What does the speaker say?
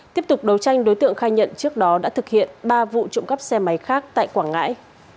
tiếp tục đấu tranh đối tượng khai nhận trước đó đã thực hiện ba vụ trộm cắp xe máy khác tại quảng ngãi